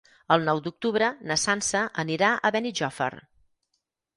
El nou d'octubre na Sança anirà a Benijòfar.